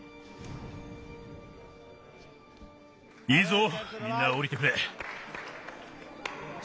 いいぞみんなおりてくれ。